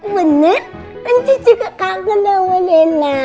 bener intus juga kangen sama rena